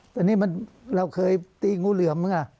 แต่นี่เราเคยตีงูเหลื่อม